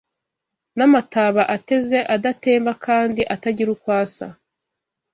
n’amataba ateze adatemba kandi atagira uko asa